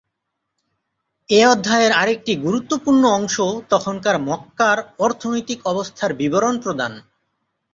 এ অধ্যায়ের আরেকটি গুরুত্বপূর্ণ অংশ তখনকার মক্কার অর্থনৈতিক অবস্থার বিবরণ প্রদান।